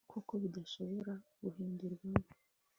kuko bidashobora guhindurwamo